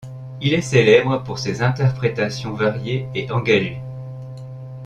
Il est célèbre pour ses interprétations variées et engagées.